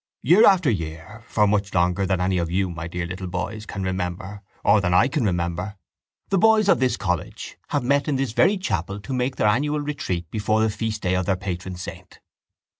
Year after year for much longer than any of you, my dear little boys, can remember or than I can remember the boys of this college have met in this very chapel to make their annual retreat before the feast day of their patron saint.